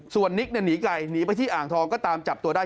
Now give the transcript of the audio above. ส่วนนิกหนีไกลหนีไปที่อ่างทองก็ตามจับตัวได้